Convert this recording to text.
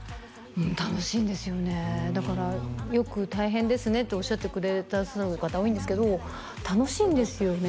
うん楽しいんですよねだからよく「大変ですね」っておっしゃってくださる方多いんですけど楽しいんですよね